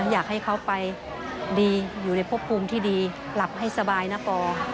อยากให้เขาไปดีอยู่ในพบภูมิที่ดีหลับให้สบายนะปอ